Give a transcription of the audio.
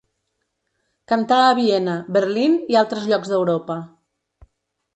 Cantà a Viena, Berlín i altres llocs d'Europa.